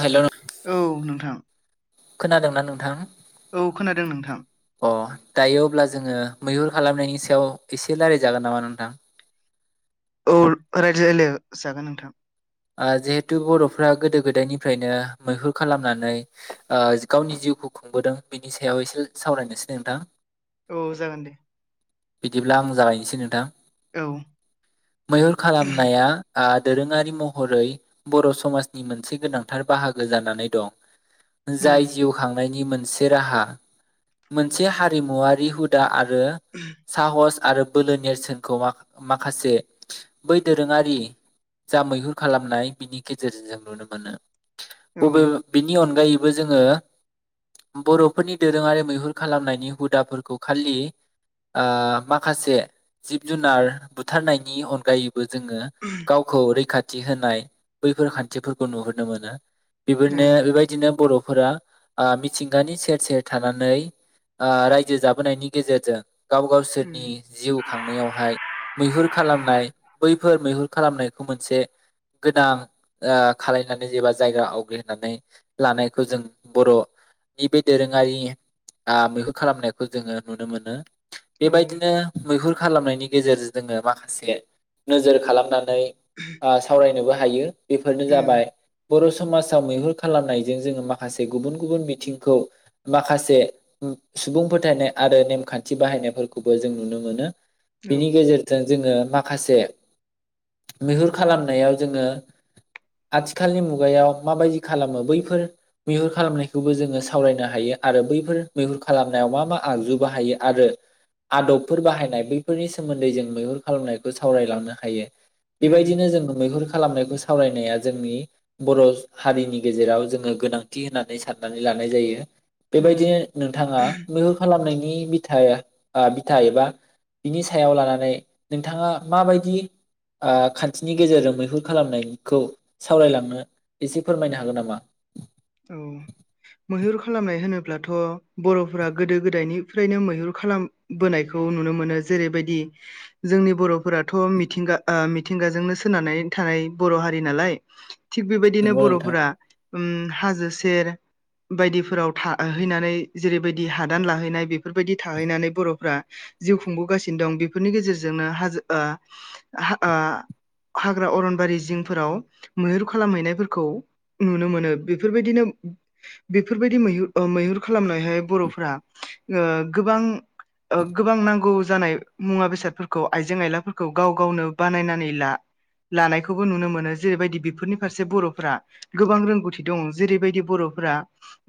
हेल' औ नोंथां खोनादोंना नोंथां औ खोनादों नोंथां अ दायो अब्ला जोङो मैहुर खालामनायनि सायाव एसे रायलायजागोन नामा नोंथां औ रायज्लाय जागोन नोंथां ओ जिहेथु बर'फ्रा गोदो गोदायनिफ्रायनो मैहुर खालामनानै ओ गावनि जिउखौ खुंबोदों बिनि सायाव एसे सावरायनोसै नोंथां औ जागोन दे बिदिब्ला आं जागायनोसै नोंथां औ मैहुर खालामनाया आ दोरोङारि म महरै बर' समाजनि मोनसे गोनांथार बाहागो जानानै दं जाय उम जिउ खांनायनि मोन मोनसे राहा मोनसे हारिमुवारि हुदा आरो आरो साहस आरो बोलो नेरसोनखौ मा-माखासे बै दोरोङारि जा मैहुर खालामनाय बिनि गेजेरजों जों नुनो मोनो औ अ बे बिनि अनगायै बो जोङो बर'फोरनि दोरोङारि मैहुर खालामनायनि हुदाफोरखौ खालि माखासे जिब जुनार बुथारनायनि अनगायै बो जोङो गावखौ रैखा थि होनाय बैफोर खान्थिफोरखौ नुहुरनो मोनो बेफोरनो उम बेबायदिनो बर' फोरा ओ मिथिंगानि सेर सेर थानानै ओ रायजो जाबोनायनि गेजेरजों गाव गावसोरनि उम जिउ खांनायावहाय मैहुर खालामनाय बै फोर मैहुर खालामनायखौ मोनसे गोनां ओ खालायनानै जेबा जायगा आवग्रिनानै लानायखौ जों बर'नि बे दोरोङारि ओ मैहुर खालामनायखौ जोङो नुनो मोनो औ बेबायदिनो मैहुर खालामनायनि गेजेरजों जोङो माखासे नोजोर खालामना नै फरायनोबो हायो। बेफोरनो उम जाबाय बर' समाजाव मैहुर खालामनायजों जोङो माखासे गुबुन गुबुन बिथिंखौ माखासे सुबुं फोथायनाय आरो नेमखान्थि बाहायनायफोरखौबो जों नुनो मोनो। औ बिनि गेजेरजों जोङो माखासे मैहुर खालामनायाव जोङो आथिखालनि मुगायाव माबायदि खालामो बैफोर मैहुर खालामनायखौबो जोङो सावरायनो हायो आरो बैफोर मैहुर खालामनायाव मा मा आगजु बाहायो आरो आदबफोर बाहायनाय बैफोरनि सोमोन्दै जों मैहुर खालामनायखौ सावरायलांनो हायो। ओम बेबायदिनो जोङो मैहुर खालामनायखौ सावरायनाया जोंनि बर' हारिनि गेजेराव जोङो गोनांथि होननानै साननानै लानाय जायो। उम बेबायदिनो नोंथाङा मैहुर खालामनायनि नि बिथा ओ बिथा एबा बिनि सायाव लानानै नोंथाङा माबायदि ओ खा न्थिनि गेजेरजों मैहुर खालामनायखौ सावरायलांनो एसे फोरमायनो हागोन नामा? औ मैहुर खालामनाय होनोब्लाथ' बर'फोरा गोदो गोदायनिफ्रायनो मैहुर खालामबोनायखौ नुनो मोनो जेरैबायदि जोंनि बर'फोराथ' मिथिंगा मिथिंगाजोंनो सोनारानै थानाय बर' हारि नालाय थिग बेबायदिनो नंगौ नोंथां बर'फोरा ओम हाजो सेर बायदिफोराव थाहैनानै जेरैबायदि हादान लाहैनाय बेफोरबायदि थाहैनानै बर'फ्रा जिउ खुंबोगासिनो दं बेफोरनि गेजेरजोंनो हाजो ओ ओ हाग्रा अरनबारि जिंफोराव मैहुर खालामहैनायफोरखौ नुनो मोनो। बे फोरबायदिनो बेफोरबायदि मैहुर खालामनायहाय बर'फोरा ओ गोबां ओ गोबां नांगौ जानाय मुवा बेसादफोरखौ आइजें आयलाफोरखौ गाव गावनो बानायनानै ला लानायखौबो नुनो मोनो जेरैबायदि बेफोरनि फारसे बर'फोरा गोबां रोंगौथि दङ जेरैबायदि बर'फोरा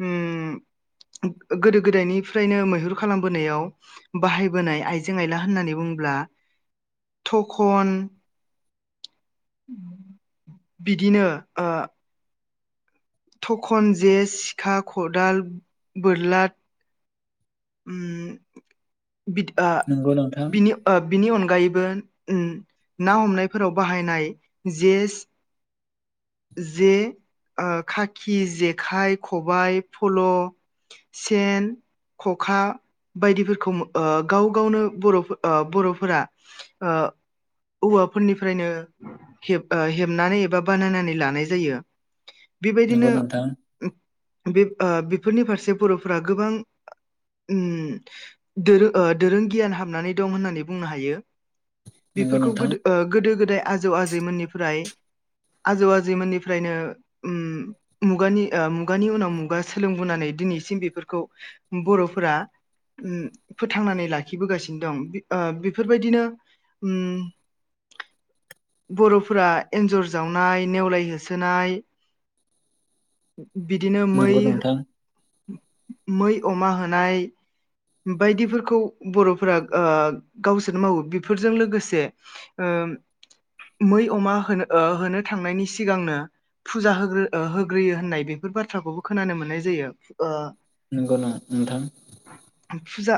ओ गोदो गोदायनिफ्रायनो मैहुर खालामबोनायाव बाहायबोनाय आइजें आइला होननानै बुङोब्ला थखन बिदिनो ओ थखन जे सिखा खदाल बोरला ओम बिद ओ नंगौ नोंथां बिनि ओ बिनि अन गायैबो ओ ना हमनायफोराव बाहायनाय जे जे ओ खाखि जेखाइ खबाइ फल' सेन खखा बायदिफोरखौ ओ गाव गावनो बर' ओ बर'फोरा ओ औवाफोरनिफ्रायनो हेब ओ हेबनानै एबा बानायनानै लानाय जायो। नंगौ बेबायदिनो नोंथां बे ओ बेफोरनि फारसे बर'फोरा गोबां ओम दोरो ओ दोरों गियान हाबनानै दं होननानै बुंनो हायो। नंगौ बेफोरखौ नोंथां गोदो ओ गोदो गोदाय आजौ आजैमोननिफ्राय आजौ आजैमोननिफ्रायनो ओम मुगानि ओ मुगानि उनाव मुगा सोलोंबोनानै दिनैसिम बेफोरखौ बर'फोरा ओ फोथांनानै लाखिबोगासिनो दं ओ बेफोरबायदिनो ओम बर'फोरा एन्जर जावनाय नेवलाय होसोनाय बिदिनो मै नंगौ नोंथां मै अमा होनाय बायदिफोरखौ बर'फोरा ओ गावसोरनो मावो बेफोरजों लोगोसे ओ मै अमा होनो ओ होनो थांनायनि सिगांनो फुजा होग्रो ओ होग्रोयो होननाय बेफोर बाथ्राखौबो खोनानो मोननाय जायो ओ नोंगौना नोंथां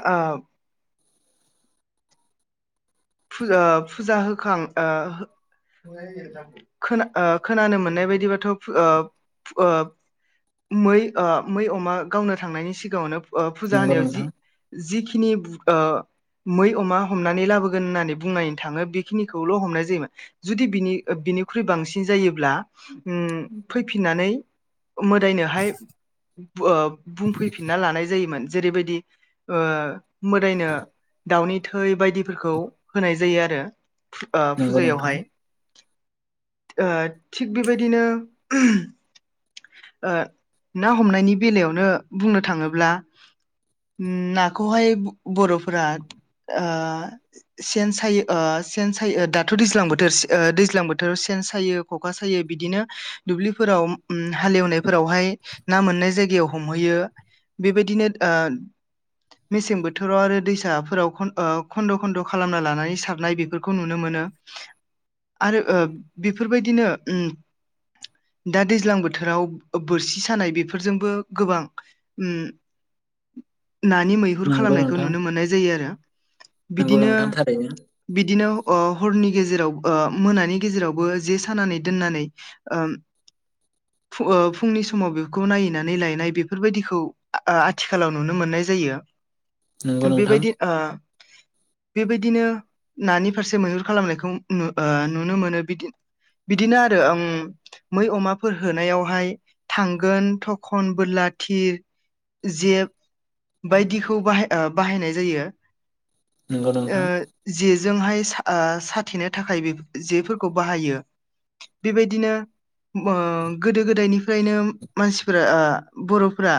आव फुजा फुजा होखां ओ हो [unintelligible] खोना ओ खोनानो मोननाय बायदिबाथ' फु ओ फु ओ मै ओ मै अमा गावनो थांनायनि सिगाङावनो ओ फुजा नंगौ होनायाव नोंथां जि जि खिनि बु ओ मै अमा हमनानै लाबो होननानै बुंनाय थाङो बेखिनिखौल' हमनाय जायोमोन जुदि बिनि ओ बिनिख्रुइ बांसिन जायोब्ला उम फैफिननानै मोदायनोहाय बु ओ बुंफैफिनना लानाय जायोमोन जेरैबायदि ओ मोदायनो दाउनि थै बायदिफोरखौ होनाय जायो आरो ओ नंगौ नोंथां फुजायावहाय ओ थिग बेबायदिनो उम ओ ना हमनायनि बेलायावनो बुंनो थाङोब्ला उम नाखौहाय बर'फोरा ओ सेन सायो ओ सेन सायो ओ दाथ' दैज्लां बोथोर से ओ दैज्लां बोथोर सेन सायो ख'खा सायो बिदिनो दुब्लिफोराव उम हालेवनायफोरावहाय ना मोननाय जायगायाव हमहैयो बेबायदिनो ओ मेसें बोथोराव आरो दैसाफोराव खन ओ खन्द' खन्द' खालामना लानानै सारनाय बेफोरखौ नुनो मोनो आरो ओ बेफोरबायदिनो उम दा दैज्लां बोथोराव बोरसि सानाय बेफोरजोंबो गोबां उम नानि मैहुर नंगौ खालामनायखौ नोंथां नुनो मोननाय जायो आरो नंगौ बिदिनो नोंथां थारैनो बिदिनो अ हरनि गेजेराव ओ मोनानि गेजेरावबो जे सानानै दोननानै ओम फु ओ फुंनि समाव बेखौ नायैनानै लायनाय बेफोरबायदिखौ आ-आ-आथिखालाव नुनो मोननाय जायो नंगौ नोंथां बेबायदि ओ बेबायदिनो नानि फारसे मैहुर खालामनायखौ नु ओ नुनो मोनो बिदि बिदिनो आरो उम मै अमाफोर होनायावहाय थांगोन थखन बोरला थिर जेब बायदिखौ ओ बाहाय बाहायनाय जायो नंगौ ओ नोंथां जिज जोंहाय सा ओ साथेनो थाखाय बे जेफोरखौ बाहायो बेबायदिनो मो गोदो गोदायनिफ्रायनो मानसिफोरा ओ बर'फोरा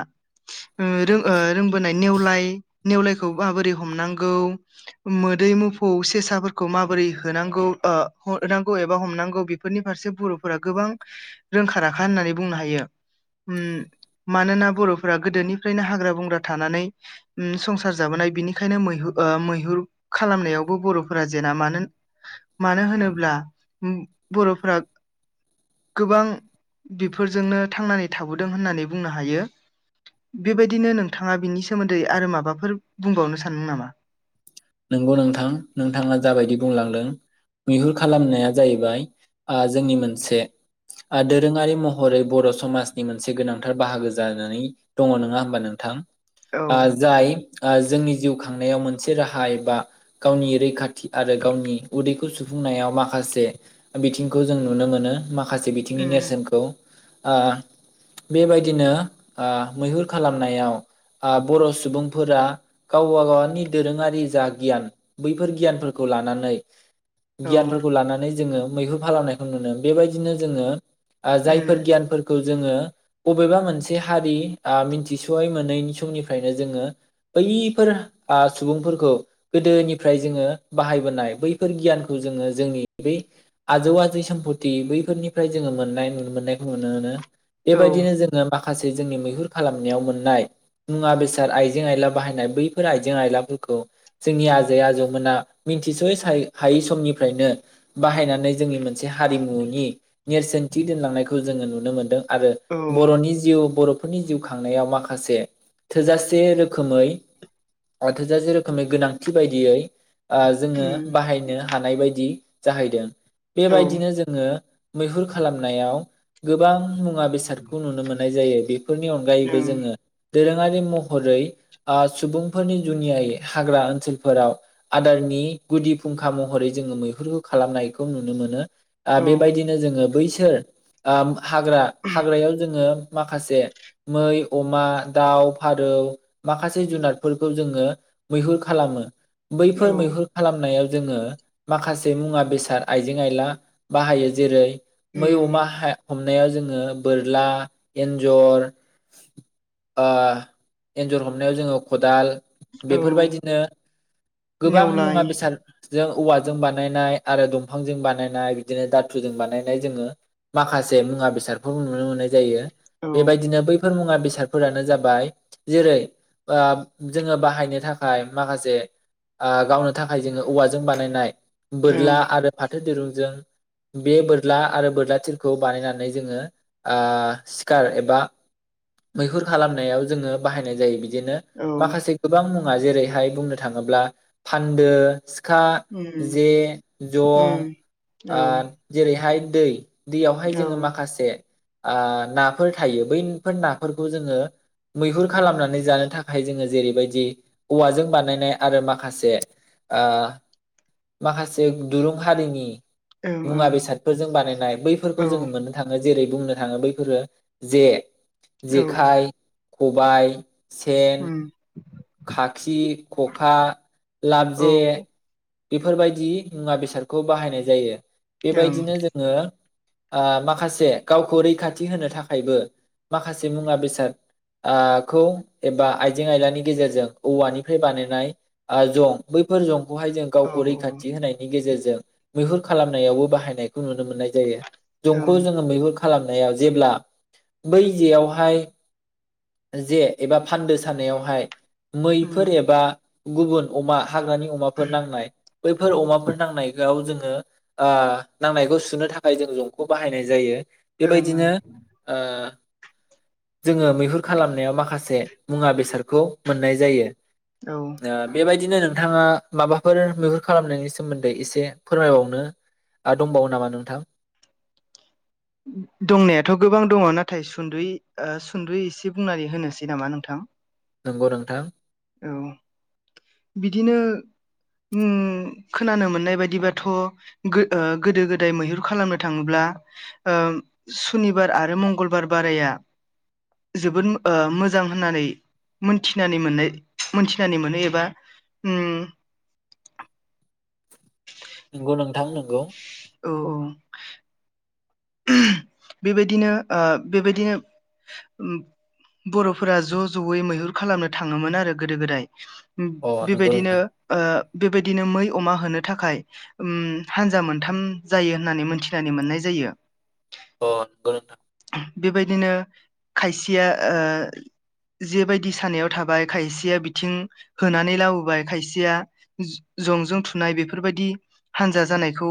ओ रों ओ रोंबोनाय नेवलाय नेवलायखौ माबोरै हमनांगौ मोदै मोफौ सेसाफोरखौ माबोरै होनांगौ ओ हनांगौ एबा हमनांगौ बेफोरनि फारसे बर'फोरा गोबां रोंखा राखा होननानै बुंनो हायो उम मानोना बर'फोरा गोदोनिफ्रायनो हाग्रा बंग्रा थानानै उम संसार जाबोनाय बिनिखायनो मैहु ओ मै हुर खालामनायावबो बर'फोरा जेना मानोन मानो होनोब्ला बर'फोरा गोबां बिफोरजोंनो थांनानै थाबोदों होननानै बुंनो हायो बेबायदिनो नोंथाङा बिनि सोमोन्दै आरो माबाफोर बुंबावनो सानो नामा नंगौ नोंथां नोंथाङा जाबायदि बुंलांदों मैहुर खालामनाया जाहैबाय ओ जोंनि मोनसे ओ दोरोङारि महरै बर' समाजनि मोनसे गोनांथार बाहागो जानानै दङ नङा होमबा नोंथां औ ओ जाय ओ जोंनि जिउ खांनायाव मोनसे राहा हा एबा गावनि रैखाथि आरो गावनि उदैखौ सुफुंनायाव माखासे बिथिंखौ जों नुनो मानो मा माखासे बिथिंनि उम नेरसोनखौ आ बेबायदिनो आ मैहुर खालामनायाव आं बर' सुबुंफोरा गावबा गावनि दोरोङारि जा गियान बैफोर गियानफोरखौ लानानै औ गियानफोरखौ लानानै जोङो मैहुर फालानायखौ नुनो बेबायदिनो जोङो आ जायफोर उम गियानफोरखौ जोङो बबेबा मोनसे हारि आ मिनथिस'यै मोनै समनिफ्रायनो जोङो बैफोर आ सुबुंफोरखौ गोदोनिफ्राय जोङो बाहायबोनाय बैफोर गियानखौ जोङो जोंनि बै आजौ आजै सोम्पथि बैफोरनिफ्राय जोङो मोननाय नुनो मोननायखौ नुनो नो औ बेबायदिनो जोङो माख खासे जोंनि मैहुर खालामनायाव मोननाय मुवा बेसाद आइजें आयला बाहायनाय बैफोर आइजें आयलाफोरखौ जोंनि आजै आजौमोना मिथिसयै साय हायै समनिफ्रायनो बाहायनानै जोंनि मोनसे हारिमुनि नेरसोनथि दोनलांनायखौ जोङो नुनो मोन्दों आरो औ बर'नि जिउ बर' नि जिउ खांनायाव माखासे थोजासे रोखोखै ओ थोजासे रोखोमै गोनां थि बायदियै ओ जोङो उम बाहायनो थानाय बायदि जाहैदों। औ ओं बेबायदिनो जोङो मैहुर खालामनायाव गोबां मुवा बेसादखौ नुनो मोननाय जायो बे फोरनि अनगायैबो जोङो बदोरों गानि महरै ओ सुबुंफोरनि जुनियै हाग्रा ओन ओनसोलफोराव आदारनि गुदि फुंखा महरै जोङो मैहुरखौ खालामनायखौ नुनो मोनो। ओ औ बेबायदिनो जोङो बैस थो ओ हाग्रा हाग्रायाव जोङो माखासे मै अमा दाउ फारौ माखासे जुनारफोरखौ जोङो मैहुर खालामो। बैफोर औ मैहुर खालामनायाव जोङो माखासे मुवा बेसाद आइजें आयला बाहायो जेरै मै उम अमा हमनायाव जोङो बोरला, एन्जर ओ एन्जर हमनायाव जोङो खदाल, औ बेफोरबायदि नो गोबां मुवा नेवलाय बेसाद जों औवाजों बानायनाय आरो दंफांजों बानायनाय बिदिनो दाथुजों बानायनाय जोङो माखासे मुवा बेसादफोर नुनो मोननाय जायो। औ बेबायदिनो बैफोर मुवा बेसादफोरानो जाबाय जेरै जोङो बाहायनो थाखा थाखाय माखासे गावनो थाखाय जोङो औवाजों बानायनाय ओं बोरला आरो फाथो दिरुंजों बे बोरला आरो बोरला थिरखौ बानायनानै जोङो ओ सिखार एबा मैहुर खालामनायाव जोङो बाहायनाय जायो। बिदि नो औ माखासे गोबां मुङा जेरैहाय बुंनो थाङोब्ला फान्दो सिखा, उम जे, उम जं औ आ जेरैहाय [unintelligible] दैयावहाय औ जोङो ओं माखासे आ नाफोर थायो। बैफोर नाफोरखौ जोङो मैहुर खालामनानै जानो थाखाय जोङो जेरैबायदि औवाजों बानायनाय आरो माखासे आ माखासे दुरुं हारिनि मुवा ओं बेसादफोरजों बानायनाय बैफोरखौ औ जोङो मोननो थाङो जेरै बुंनो थाङो बैफोरो जे औ जेखाय, खबाइ, सेन, उम खाखि, खखा, औ लाबजे, ओं बेफोरबायदि मुवा बेसादखौ बाहायनाय जायो। औ बेबायदिनो जोङो माखासे गावखौ रैखाथि होनो थाखायबो माखासे मुवा बेसादखौ एबा आइजें आयलानि गेजेरजों औवानिफ्राय बानायनाय आ जं बैफोर जं खौहाय जों औ गावखौ ओं रैखाथि होनायनि गेजेरजों मैहुर खालामनायावबो बाहायनायखौ नु नो मोननाय जायो। जंखौ जोङो मैहुर खालामनायाव जेब्ला बै जेयावहाय जे एबा फान्दो सानायावहाय उम मैफोर एबा गुबुन अमा हाग्रानि अमाफोर नांनाय बैफोर अमाफोर नांनायाव जोङो आ नांनायखौ सुनो थाखाय जों जंखौ बाहायनाय जायो। ओं बेबायदिनो ओ- जोङो मैहुर खालामनायाव माखासे मुवा बेसादखौ मोननाय जायो ओं औ बेबायदिनो नों थाङा माबाफोर मैहुर खालामनायनि सोमोन्दै एसे फोरमायबावनो दंबावो नामा नोंथां? दंनायाथ' गोबां दङ नाथाय सुंद'यै ओ सुंद'यै एसे बुंनानै होनोसै नामा नोंथां। नंगौ नोंथां औ बिदिनो ओम खोनानो मोननाय बायदिबाथ' गो गोदो गोदाय मैहुर खालामनो थाङोब्ला ओ सुनिबार आरो मंगलबार बाराया जोबोद ओ मोजां होननानै मोनथिनानै मोननाय मोनथिनानै मोनो एबा उम नंगौ नोंथां नंगौ। औ बेबायदिनो बेबायदिनो बर'फोरा ज' ज'यै मैहुर खालामनो थाङोमोन आरो गोदो गोदाय। अ नंगौ बेबायदिनो नोंथां ओ बेबायदिनो मै अमा होनो थाखाय ओम हानजा मोनथाम जायो होननानै मोनथिनानै मोननाय जायो। अ नंगौ नोंथां। बेबायदिनो खायसेया ओ जेबायदि सानायाव थाबाय खायसेया बिथिं होनानै लाबोबाय खायसेया ज जंजों थुनाय बेफोरबायदि हान्जा जानायखौ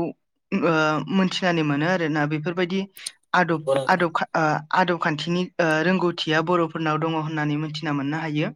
ओ मोनथिनानै मोनो आरोना बेफोरबायदि। आदब नंगौ नोंथां आदब खा आ आदब खान्थिनि रोंगौथिया बर'फोरनाव दङ होननानै मिथिना मोननो हायो।